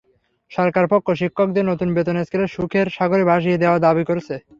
সরকারপক্ষ শিক্ষকদের নতুন বেতন স্কেলে সুখের সাগরে ভাসিয়ে দেওয়ার দাবি করছে।